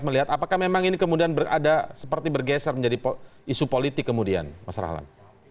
melihat apakah memang ini kemudian ada seperti bergeser menjadi isu politik kemudian mas rahlan